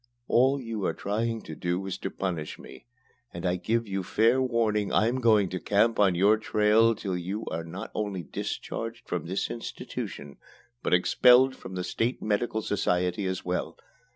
All you are trying to do is to punish me, and I give you fair warning I'm going to camp on your trail till you are not only discharged from this institution, but expelled from the State Medical Society as well.